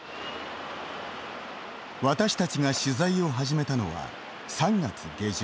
私たちが取材を始めたのは３月下旬。